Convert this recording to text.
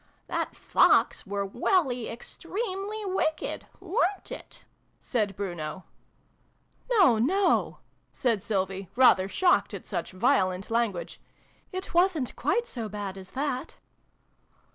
" That Fox were welly extremely wicked, wererit it ?" said Bruno. xv] THE LITTLE FOXES. 235 " No, no !" said Sylvie, rather shocked at such violent language. "It wasn't quite so bad as that!"